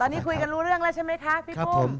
ตอนนี้คุยกันรู้เรื่องแล้วใช่ไหมคะพี่ปุ้ม